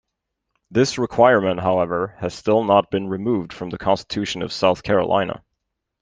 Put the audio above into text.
This requirement, however, has still not been removed from the Constitution of South Carolina.